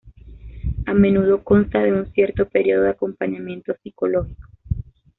A menudo, consta de un cierto período de acompañamiento psicológico.